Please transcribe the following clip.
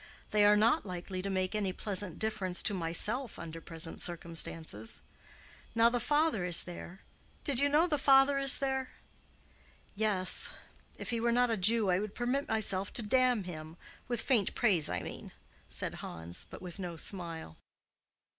They are not likely to make any pleasant difference to myself under present circumstances. Now the father is there—did you know that the father is there?" "Yes. If he were not a Jew I would permit myself to damn him—with faint praise, I mean," said Hans, but with no smile.